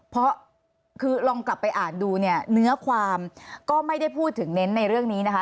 เพราะคือลองกลับไปอ่านดูเนี่ยเนื้อความก็ไม่ได้พูดถึงเน้นในเรื่องนี้นะคะ